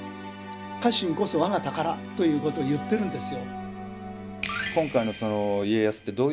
「家臣こそ我が宝」ということを言ってるんですよ。